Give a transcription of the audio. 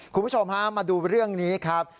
คุณผู้ชมฮะมาดูเรื่องนี้ครับ